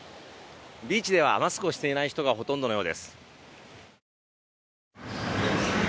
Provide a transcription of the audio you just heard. ビーチではマスクをしていない人がほとんどのようです。